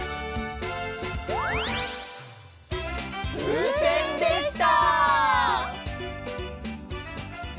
ふうせんでした！